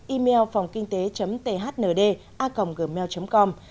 email phòngkinh tế thnd a gmail com